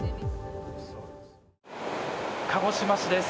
鹿児島市です。